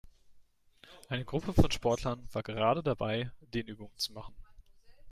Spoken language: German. Eine Gruppe von Sportlern war gerade dabei, Dehnübungen zu machen.